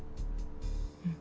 うん。